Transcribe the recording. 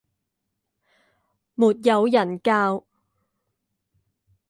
沒有人教